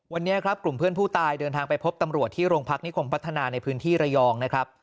วันนี้ครับกลุ่มเพื่อนผู้ตายเดินทางไปพบตำรวจที่โรงพักนิคมพัฒนาในพื้นที่ระยองนะครับ